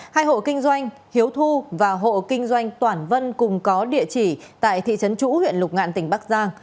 hai hộ kinh doanh hiếu thu và hộ kinh doanh toản vân cùng có địa chỉ tại thị trấn chủ huyện lục ngạn tỉnh bắc giang